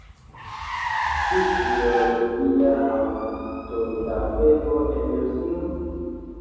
Ĉu ideologia aŭtodafeo en Rusio?